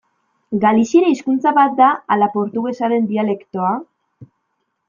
Galiziera hizkuntza bat da ala portugesaren dialektoa?